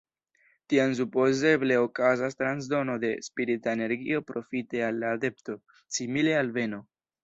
Tiam supozeble okazas transdono de spirita energio profite al la adepto, simile al beno.